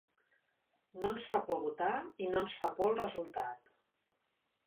No ens fa por votar i no ens fa por el resultat.